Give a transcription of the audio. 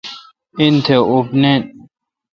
انیت اوپ نین۔